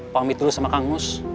paham itu sama kang nus